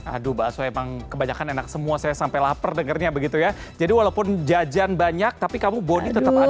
aduh bakso emang kebanyakan enak semua saya sampai lapar dengernya begitu ya jadi walaupun jajan banyak tapi kamu bodi tetap ada